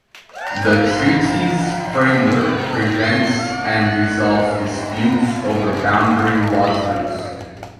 The Treaty's framework prevents and resolves disputes over boundary waters.